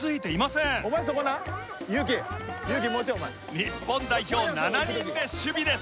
日本代表７人で守備です。